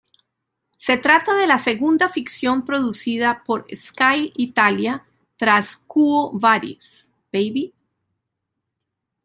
Se trata de la segunda ficción producida por Sky Italia tras "Quo vadis, baby?